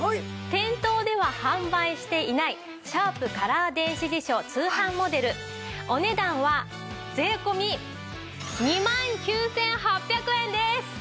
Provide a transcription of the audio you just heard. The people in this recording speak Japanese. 店頭では販売していないシャープカラー電子辞書通販モデルお値段は税込２万９８００円です。